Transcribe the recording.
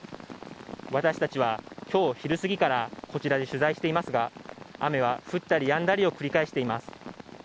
私たちは今日昼すぎからこちらで取材していますが雨は降ったりやんだりを繰り返しています。